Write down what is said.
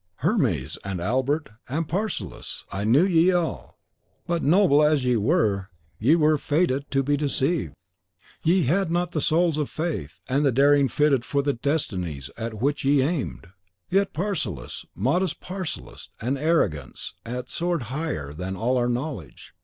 Hermes and Albert and Paracelsus, I knew ye all; but, noble as ye were, ye were fated to be deceived. Ye had not souls of faith, and daring fitted for the destinies at which ye aimed! Yet Paracelsus modest Paracelsus had an arrogance that soared higher than all our knowledge.